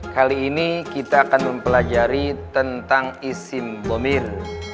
kali ini kita akan mempelajari tentang isim domir